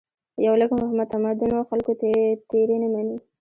پر لږ متمدنو خلکو تېري نه مني.